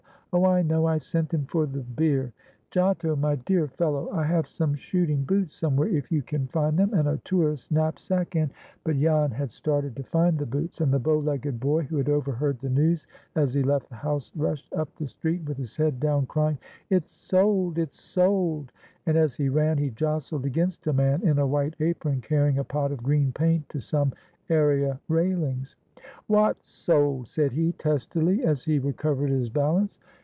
Oh, I know! I sent him for the beer. Giotto, my dear fellow, I have some shooting boots somewhere, if you can find them, and a tourist's knapsack, and"— But Jan had started to find the boots, and the bow legged boy, who had overheard the news as he left the house, rushed up the street, with his head down, crying, "It's sold! it's sold!" and, as he ran, he jostled against a man in a white apron, carrying a pot of green paint to some area railings. "Wot's sold?" said he, testily, as he recovered his balance.